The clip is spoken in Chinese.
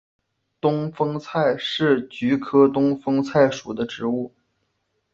东风菜是菊科东风菜属的植物。